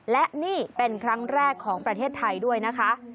และนี่เป็นครั้งแรกของประเทศไทยด้วยนะคะ